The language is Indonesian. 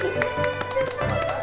satu dua tiga